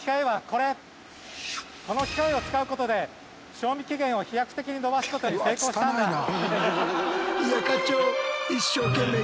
この機械を使うことで賞味期限を飛躍的に延ばすことに成功したんだ。